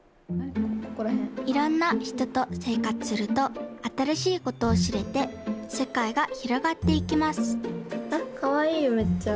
いろんなひととせいかつするとあたらしいことをしれてせかいがひろがっていきますあっかわいいよめっちゃ。